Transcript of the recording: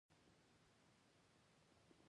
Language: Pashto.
کچالو له وازګو پاک دي